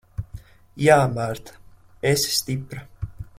Jā, Marta. Esi stipra.